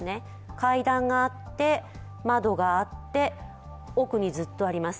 階段があって、窓があって、奥にずっとあります。